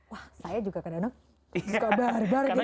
wah saya juga kadang kadang suka bar bar